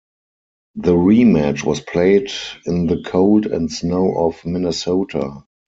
The rematch was played in the cold and snow of Minnesota.